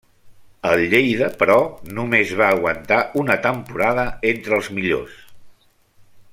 El Lleida, però, només va aguantar una temporada entre els millors.